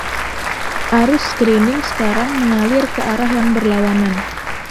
Arus screening sekarang mengalir ke arah yang berlawanan.